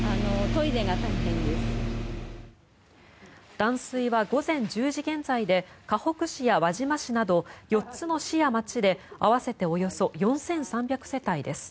断水は午前１０時現在でかほく市や輪島市など４つの市や町で合わせておよそ４３００世帯です。